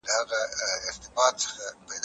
که دفاع نه وي جزيه نسته.